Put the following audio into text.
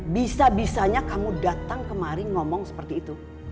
bisa bisanya kamu datang kemarin ngomong seperti itu